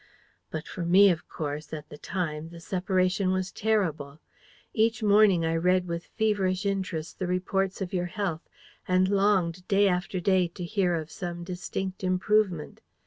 "But for me, of course, at the time, the separation was terrible. Each morning, I read with feverish interest the reports of your health, and longed, day after day, to hear of some distinct improvement.